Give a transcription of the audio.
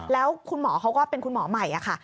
แล้วคุณหมอเขาก็เป็นคุณหมอใหม่ค่ะ